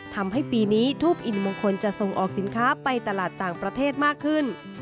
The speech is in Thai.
ทำให้ปีนี้ทูปอินมงคลจะส่งออกสินค้าไปตลาดต่างประเทศมากขึ้น